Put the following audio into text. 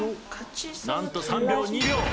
何と３秒２秒。